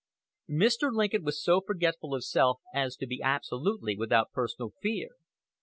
Mr. Lincoln was so forgetful of self as to be absolutely without personal fear.